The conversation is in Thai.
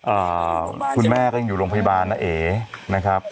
อ่าคุณแม่ก็ยังอยู่โรงพยาบาลนะเอนะครับ